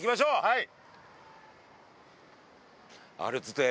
はい。